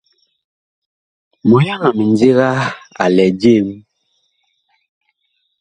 Mɔlyaŋ a mindiga a lɛ jem.